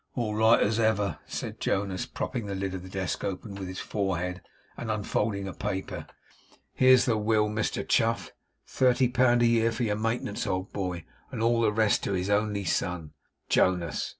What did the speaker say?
'All as right as ever,' said Jonas, propping the lid of the desk open with his forehead, and unfolding a paper. 'Here's the will, Mister Chuff. Thirty pound a year for your maintenance, old boy, and all the rest to his only son, Jonas.